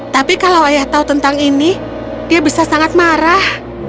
tapi kalau ayah tahu tentang ini dia bisa sangat marah